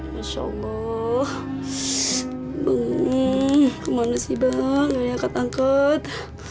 masya allah bangun kemana sih banget ya takut